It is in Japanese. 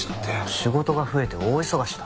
仕事が増えて大忙しだった？